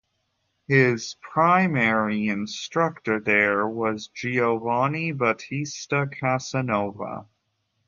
His primary instructor there was Giovanni Battista Casanova.